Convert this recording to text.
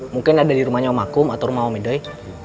mungkin ada di rumahnya om akum atau om medoy